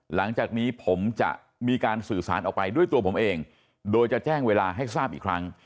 หลังจากนี้ผมจะมีการสื่อสารออกไปด้วยตัวผมเองโดยจะแจ้งเวลาให้ทราบอีกครั้ง